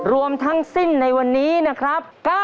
รวมทั้งสิ้นในวันนี้นะครับ